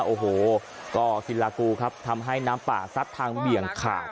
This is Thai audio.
โอ้โหก็ศิลากูครับทำให้น้ำป่าซัดทางเบี่ยงขาด